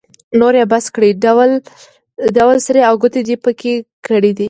نور يې بس کړئ؛ ډول سری او ګوته دې په کې کړې ده.